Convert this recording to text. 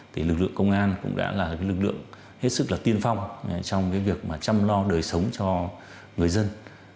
thì lực lượng công an cũng đã là lực lượng hết sức là tiên phong trong cái việc mà chăm lo đời sống cho người dân